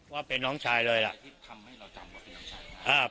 ว่าเป็นน้องชายเลยล่ะที่ทำให้เราจำว่าเป็นน้องชายมา